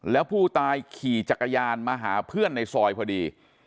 แล้วผู้ตายขี่จักรยานมาหาเพื่อนในซอยพอดี